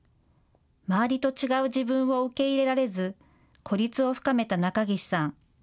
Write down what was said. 周りと違う自分を受け入れられず孤立を深めた中岸さん。